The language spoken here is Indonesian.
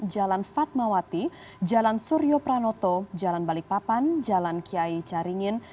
jalan fatmawati jalan suryo pranoto jalan balikpapan jalan kiai caringin